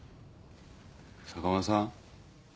坂間さん。